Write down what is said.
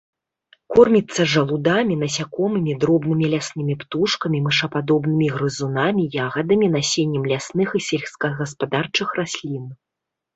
Корміцца жалудамі, насякомымі, дробнымі ляснымі птушкамі, мышападобнымі грызунамі, ягадамі, насеннем лясных і сельскагаспадарчых раслін.